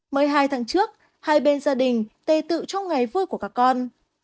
một mươi hai tháng trước hai bên gia đình tê tự trong ngày vui của các con